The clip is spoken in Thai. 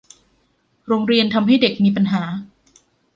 โรงเรียนทำให้เด็กมีปัญหา